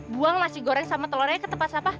buang nasi goreng sama telurnya ke tempat sampah